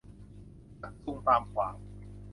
ชักซุงตามขวาง